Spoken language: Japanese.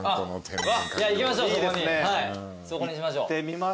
そこにしましょう。